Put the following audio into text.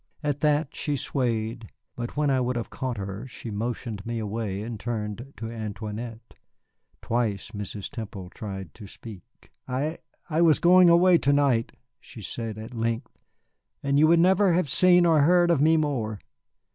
At that she swayed, but when I would have caught her she motioned me away and turned to Antoinette. Twice Mrs. Temple tried to speak. "I I was going away to night," she said at length, "and you would never have seen or heard of me more.